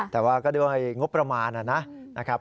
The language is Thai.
แต่ว่าก็ด้วยงบประมาณนะครับ